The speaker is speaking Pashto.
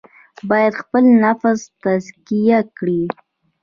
باید خپل نفس تزکیه کړي.